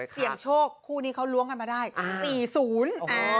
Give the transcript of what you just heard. เสี่ยงโชคคู่นี้เขาล้วงกันมาได้สี่ศูนย์อ่า